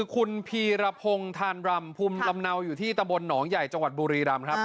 คุณพีรพงศ์ธานรำภูมิลำเนาอยู่ที่ตำบลหนองใหญ่จังหวัดบุรีรำครับ